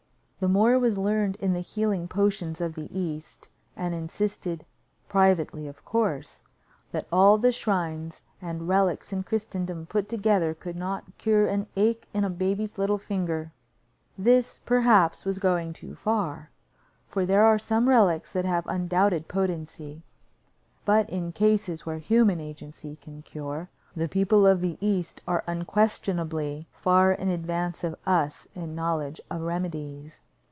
The Moor was learned in the healing potions of the east, and insisted, privately, of course, that all the shrines and relics in Christendom put together could not cure an ache in a baby's little finger. This, perhaps, was going too far, for there are some relics that have undoubted potency, but in cases where human agency can cure, the people of the east are unquestionably far in advance of us in knowledge of remedies.